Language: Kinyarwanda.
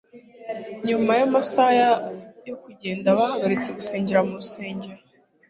Nyuma yamasaha yo kugenda bahagaritse gusengera mu rusengero